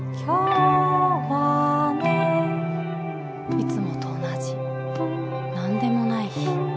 いつもと同じなんでもない日。